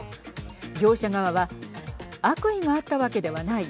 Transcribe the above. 業者側は悪意があったわけではない。